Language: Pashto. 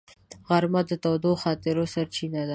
غرمه د تودو خاطرو سرچینه ده